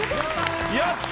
やった！